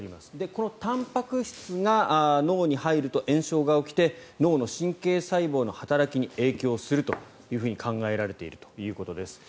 このたんぱく質が脳に入ると炎症が起きて脳の神経細胞の働きに影響すると考えられているということです。